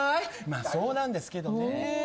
まあそうなんですけどね。